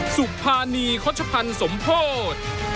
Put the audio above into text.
สุภาณีข้อชะพันธ์สมโพธิ